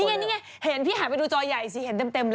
นี่ไงนี่ไงเห็นพี่หันไปดูจอใหญ่สิเห็นเต็มเลย